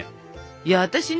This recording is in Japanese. いや私ね